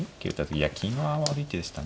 いや金は悪い手でしたね